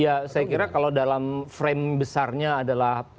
ya saya kira kalau dalam frame besarnya adalah